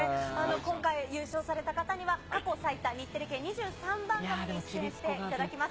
今回、優勝された方には、過去最多、日テレ系２３番組に出演していただきます。